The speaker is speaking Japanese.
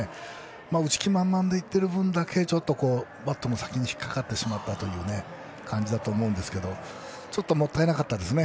打つ気満々でいっている分だけバットの先に引っ掛かってしまうという感じでちょっともったいなかったですね。